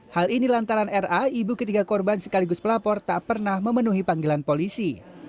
hal ini lantaran ra ibu ketiga korban sekaligus pelapor tak pernah memenuhi panggilan polisi